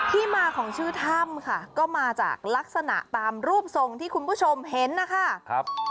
ที่มาของชื่อถ้ำค่ะก็มาจากลักษณะตามรูปทรงที่คุณผู้ชมเห็นนะคะ